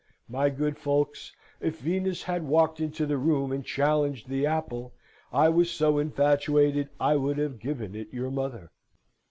My good folks, if Venus had walked into the room and challenged the apple, I was so infatuated, I would have given it your mother.